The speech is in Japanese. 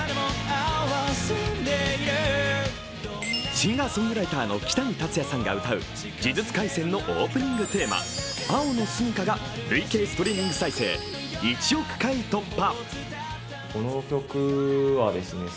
シンガーソングライターのキタニタツヤさんが歌う「呪術廻戦」のオープニングテーマ「青のすみか」が累計ストリーミング再生１億回突破。